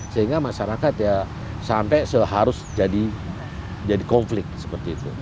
sehingga masyarakat ya sampai seharus jadi konflik seperti itu